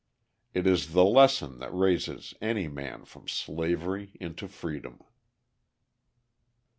It is the lesson that raises any man from slavery into freedom.